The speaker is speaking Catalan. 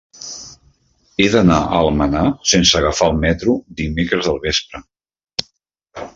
He d'anar a Almenar sense agafar el metro dimecres al vespre.